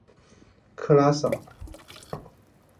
克拉桑。